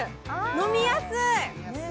飲みやすい！